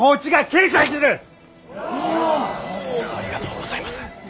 ありがとうございます！